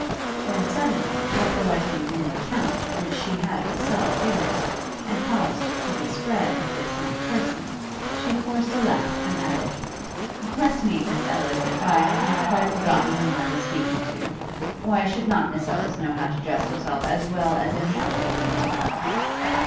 when suddenly recollecting the new account which she had herself given, and caused to be spread of this young person, she forced a laugh, and added, 'Bless me, Miss Ellis, if I had not quite forgotten whom I was speaking to! Why should not Miss Ellis know how to dress herself as well as any other young lady?'